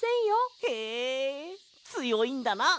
へえつよいんだな！